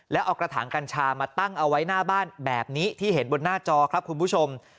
แล้วเอากระถางกัญชามาตั้งเอาไว้หน้าบ้านแบบนี้ที่เห็นบนหน้าจอครับคุณผู้ชม